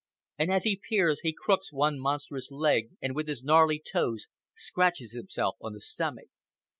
And as he peers he crooks one monstrous leg and with his gnarly toes scratches himself on the stomach.